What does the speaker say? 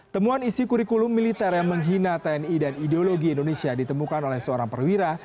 temuan isi kurikulum militer yang menghina tni dan ideologi indonesia ditemukan oleh seorang perwira